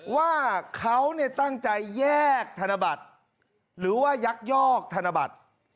ว่าเขาตั้งใจแยกธนบัตรหรือว่ายักยอกธนบัตร